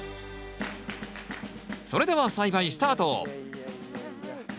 それでは栽培スタート！